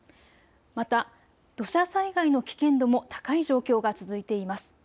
また土砂災害の危険度も高い状況が続いています。